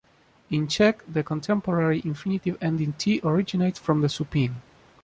In Czech, the contemporary infinitive ending "-t" originates from the supine.